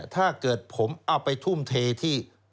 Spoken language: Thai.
ถ้าเกิดผมเอาไปทุ่มเทที่